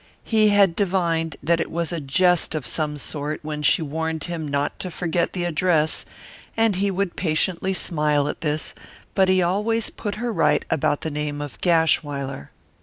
He had divined that it was a jest of some sort when she warned him not to forget the address and he would patiently smile at this, but he always put her right about the name of Gashwiler.